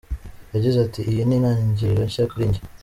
Yagize ati: "Iyi ni intangiriro nshya kuri jye.